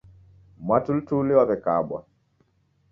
Mwatulituli wawekabwa